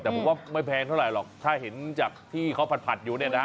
แต่ผมว่าไม่แพงเท่าไหร่หรอกถ้าเห็นจากที่เขาผัดอยู่เนี่ยนะ